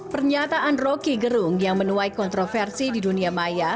pernyataan roky gerung yang menuai kontroversi di dunia maya